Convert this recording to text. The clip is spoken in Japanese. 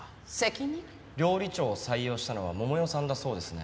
料理長を採用したのは桃代さんだそうですね。